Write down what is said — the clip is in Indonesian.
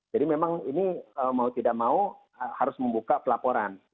jadi memang ini mau tidak mau harus membuka pelaporan